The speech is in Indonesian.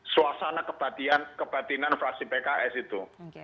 suasana kebatinan fraksi pks itu